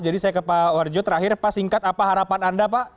jadi saya ke pak warjo terakhir pak singkat apa harapan anda pak